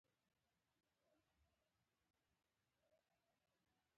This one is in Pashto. زما ارزښتونه په ژوند کې د پلي کېدو وړ دي او که نه؟